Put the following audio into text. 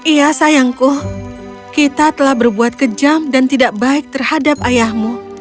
iya sayangku kita telah berbuat kejam dan tidak baik terhadap ayahmu